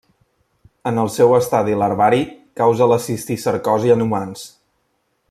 En el seu estadi larvari, causa la cisticercosi en humans.